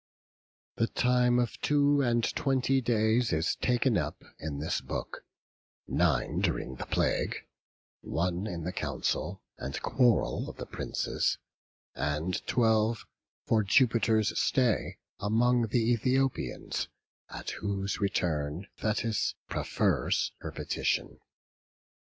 The time of two and twenty days is taken up in this book; nine during the plague, one in the council and quarrel of the Princes, and twelve for Jupiter's stay among the Ethiopians, at whose return Thetis prefers her petition.